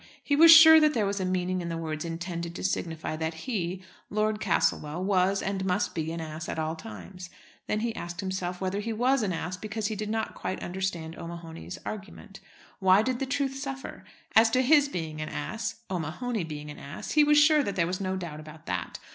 He was sure that there was a meaning in the words intended to signify that he, Lord Castlewell, was and must be an ass at all times. Then he asked himself whether he was an ass because he did not quite understand O'Mahony's argument. Why did the truth suffer? As to his being an ass, O'Mahony being an ass, he was sure that there was no doubt about that.